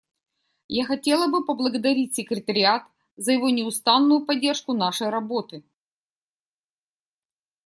Я хотела бы поблагодарить секретариат за его неустанную поддержку нашей работы.